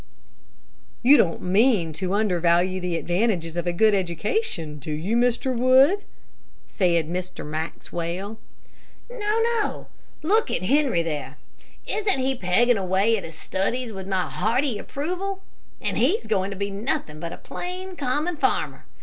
"You don't mean to undervalue the advantages of a good education, do you, Mr. Wood?" said Mr. Maxwell. "No, no; look at Harry there. Isn't he pegging away at his studies with my hearty approval? and he's going to be nothing but a plain, common farmer.